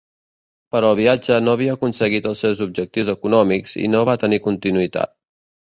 Però el viatge no havia aconseguit els seus objectius econòmics i no va tenir continuïtat.